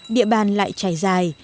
địa bàn lại trải dài